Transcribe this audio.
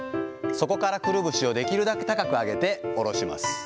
そこからくるぶしをできるだけ高く上げて下ろします。